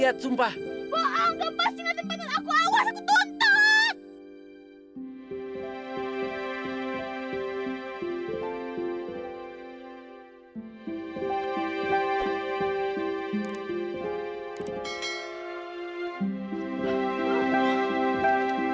saya mau tidur sama keluarga